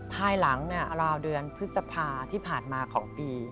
หลายหลังเนี่ยเสียอนเดือนพฤษภาที่ผ่านมาของปี